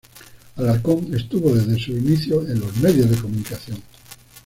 Alarcón estuvo desde sus inicios en los medios de comunicación.